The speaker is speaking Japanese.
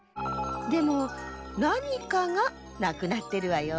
でもなにかがなくなってるわよ。